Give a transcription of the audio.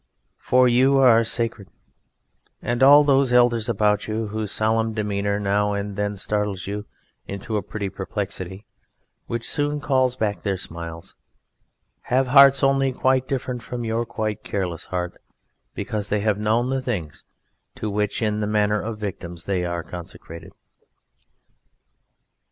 For you are sacred, and all those elders about you, whose solemn demeanour now and then startles you into a pretty perplexity which soon calls back their smiles, have hearts only quite different from your quite careless heart, because they have known the things to which, in the manner of victims, they are consecrated.